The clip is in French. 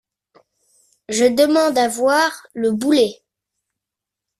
Je demande à voir le boulet!